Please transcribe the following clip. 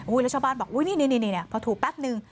อุ้ยแล้วชาวบ้านบอกอุ้ยนี่นี่นี่นี่เนี่ยพอถูแป๊บหนึ่ง